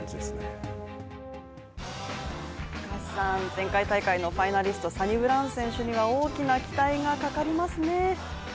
前回大会のファイナリストサニブラウン選手には大きな期待がかかりますね。